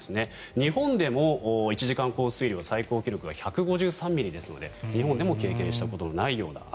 日本でも１時間降水量の最高記録が１５３ミリですので日本でも経験したことのないような雨。